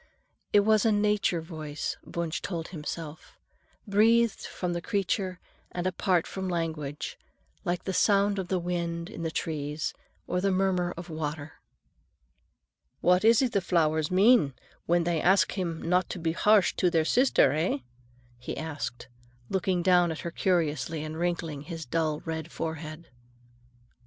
It was a nature voice, Wunsch told himself, breathed from the creature and apart from language, like the sound of the wind in the trees, or the murmur of water. "What is it the flowers mean when they ask him not to be harsh to their sister, eh?" he asked, looking down at her curiously and wrinkling his dull red forehead.